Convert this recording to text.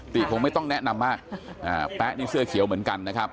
คงไม่ต้องแนะนำมากแป๊ะนี่เสื้อเขียวเหมือนกันนะครับ